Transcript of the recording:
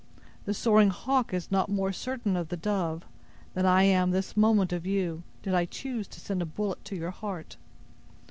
The soaring hawk is not more certain of the dove than I am this moment of you, did I choose to send a bullet to your heart!